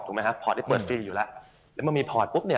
ไหมฮะพอร์ตนี้เปิดฟรีอยู่แล้วแล้วมันมีพอร์ตปุ๊บเนี่ย